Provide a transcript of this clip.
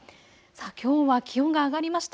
きょうは気温が上がりました。